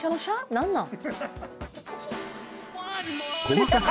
何なん？